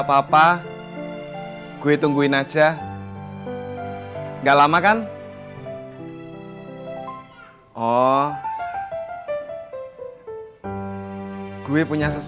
bupu dan kuat mu dipakeai beneran chicos